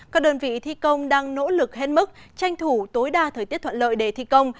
các đơn vị thi công đang nỗ lực hết mức tranh thủ tối đa thời tiết thuận lợi để thi công